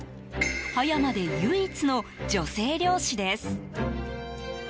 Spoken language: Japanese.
葉山で唯一の女性漁師です。